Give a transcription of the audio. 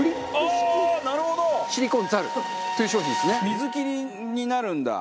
水切りになるんだ。